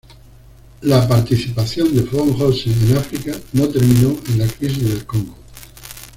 La participación de von Rosen en África no terminó en la Crisis del Congo.